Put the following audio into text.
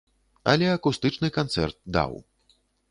Але акустычны канцэрт даў.